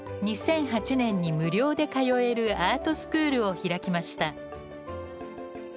２００８年に無料で通えるアートスクールを開きました。